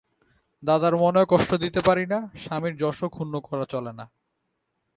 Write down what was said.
দাদার মনেও কষ্ট দিতে পারি না, স্বামীর যশও ক্ষুণ্ন করা চলে না।